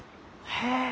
へえ。